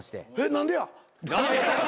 何でや？